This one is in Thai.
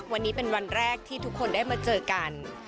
วันนี้เป็นวันแรกที่ทุกคนได้มาเจอกัน